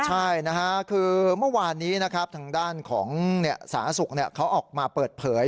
ใช่นะฮะคือเมื่อวานนี้นะครับทางด้านของสาธารณสุขเขาออกมาเปิดเผย